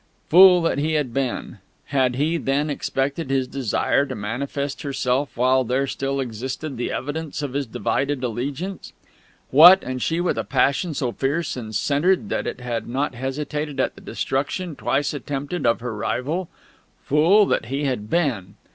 Fool that he had been! Had he, then, expected his Desire to manifest herself while there still existed the evidence of his divided allegiance? What, and she with a passion so fierce and centred that it had not hesitated at the destruction, twice attempted, of her rival? Fool that he had been!...